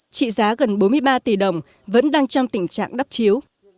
trị giá gần bốn mươi ba tỷ đồng vẫn đang trong tình trạng đắp chiếu